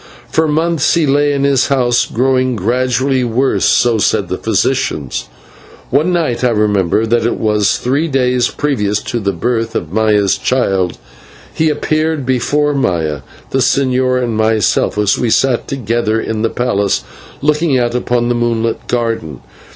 For months he lay in his house, growing gradually worse, so said the physicians; but one night I remember that it was three days previous to the birth of Maya's child he appeared before Maya, the señor, and myself, as we sat together in the palace looking out upon the moonlit garden.